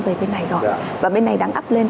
về bên này rồi và bên này đang ắp lên